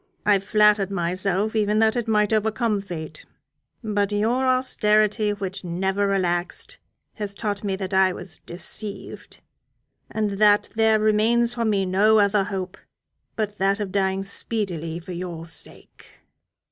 I flattered myself even that it might overcome fate; but your austerity, which never relaxed, has taught me that I was deceived, and that there remains for me no other hope but that of dying speedily for your sake."